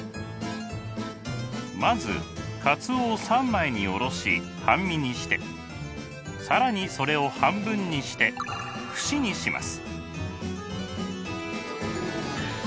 まずかつおを三枚におろし半身にして更にそれを半分にして節にします。